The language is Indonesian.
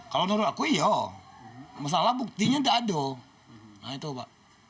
kalau menurut aku iya masalah buktinya tidak ada